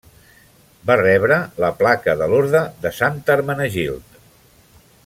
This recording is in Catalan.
Va rebre la placa de l'Orde de Sant Hermenegild.